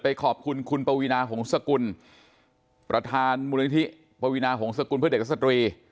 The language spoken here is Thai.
ขอบคุณคุณปวีนาหงษกุลประธานมูลนิธิปวีนาหงษกุลเพื่อเด็กและสตรี